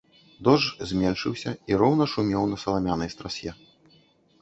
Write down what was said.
Дождж зменшыўся і роўна шумеў на саламянай страсе.